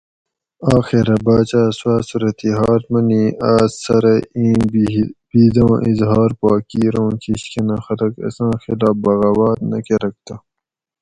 آخیرا باچا سوآ صورت حال منی آس سرہ ایں بِھیدا اظہار پا کیر اوں کِشکھنہ خلق اساں خلاف بغاوت نہ کرگ تہ